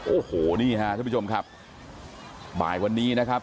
โอ้โหนี่ฮะท่านผู้ชมครับบ่ายวันนี้นะครับ